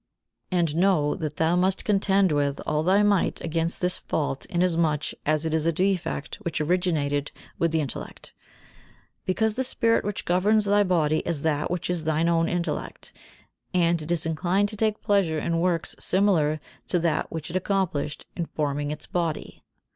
And know that thou must contend with all thy might against this fault inasmuch as it is a defect which originated with the intellect; because the spirit which governs thy body is that which is thine own intellect, and it is inclined to take pleasure in works similar to that which it accomplished in forming its body.